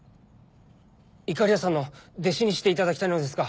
いかりやさんの弟子にしていただきたいのですが。